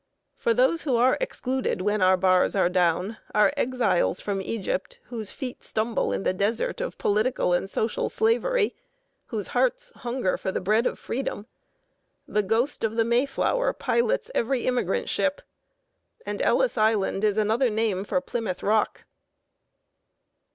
For those who are excluded when our bars are down are exiles from Egypt, whose feet stumble in the desert of political and social slavery, whose hearts hunger for the bread of freedom. The ghost of the Mayflower pilots every immigrant ship, and Ellis Island is another name for Plymouth Rock.